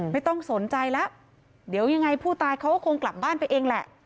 ไม่ต้องสนใจแล้วเดี๋ยวยังไงผู้ตายเขาก็คงกลับบ้านไปเองแหละ